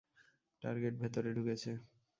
Target ভেতরে ঢুকেছে।